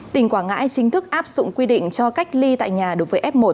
tỉnh quảng ngãi chính thức áp dụng quy định cho cách ly tại nhà đối với f một